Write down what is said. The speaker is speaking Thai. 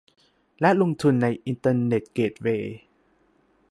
และลงทุนในอินเทอร์เน็ตเกตเวย์